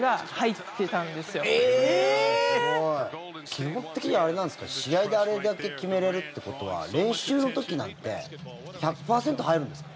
基本的にはあれなんですか試合であれだけ決めれるってことは練習の時なんて１００％入るんですか？